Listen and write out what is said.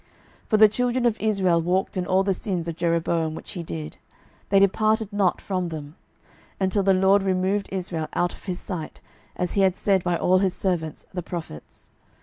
12:017:022 For the children of Israel walked in all the sins of Jeroboam which he did; they departed not from them; 12:017:023 Until the LORD removed Israel out of his sight, as he had said by all his servants the prophets.